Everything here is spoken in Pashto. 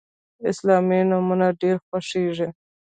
اسلامي نومونه ډیر خوښیږي.